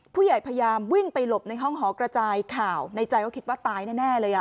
พยายามวิ่งไปหลบในห้องหอกระจายข่าวในใจก็คิดว่าตายแน่เลยอ่ะ